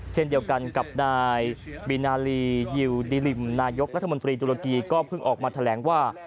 เช่นเดียวกันกับนายบีนาลียิวดิริมนายกรัฐมนตรีตุรกีก็เพิ่งออกมาแถลงว่า